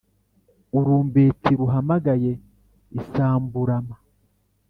urumbeti ruhamagaye isamburuma